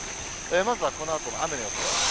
まずはこのあとの雨の予想です。